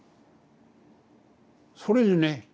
それでね